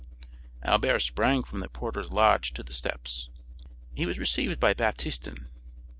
Albert sprang from the porter's lodge to the steps. He was received by Baptistin.